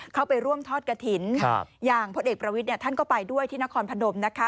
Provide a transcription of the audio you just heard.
เข้าไปร่วมทอดกระถิ่นอย่างพลเอกประวิทย์ท่านก็ไปด้วยที่นครพนมนะคะ